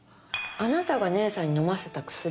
あなたが姉さんに飲ませた薬